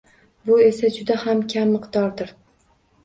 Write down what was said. Bu esa juda ham kam miqdordir.